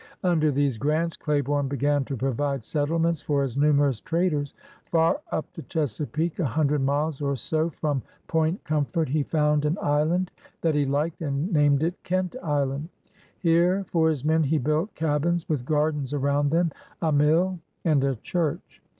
Under these grants, Claiborne began to provide settlements for his numerous traders. Far up the Chesapeake, a hundred miles or so from Point Comfort, he foimd an island that he liked, and named it Kent Island. Here for his men he built cabins with gardens around them, a mill and a church.